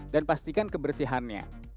dan pastikan kebersihannya